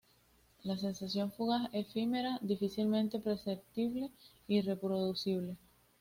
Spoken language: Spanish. La sensación fugaz, efímera, difícilmente perceptible y reproducible.